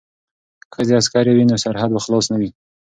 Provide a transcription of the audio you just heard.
که ښځې عسکرې وي نو سرحد به خلاص نه وي.